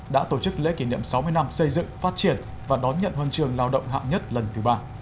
đã tổ chức lễ kỷ niệm sáu mươi năm xây dựng phát triển và đón nhận huân trường lao động hạng nhất lần thứ ba